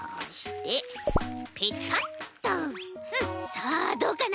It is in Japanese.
さあどうかな？